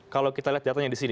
kalau kita lihat datanya di sini